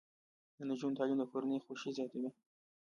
د نجونو تعلیم د کورنۍ خوښۍ زیاتوي.